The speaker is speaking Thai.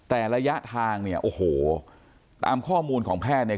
แต่ระยะทางเนี่ยโอ้โหตามข้อมูลของแพทย์เนี่ย